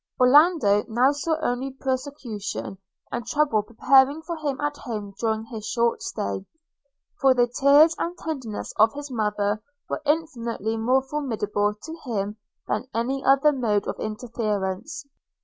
Orlando now saw only persecution and trouble preparing for him at home during his short stay, for the tears and tenderness of his mother were infinitely more formidable to him than any other mode of interference.